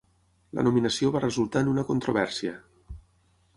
La nominació va resultar en una controvèrsia.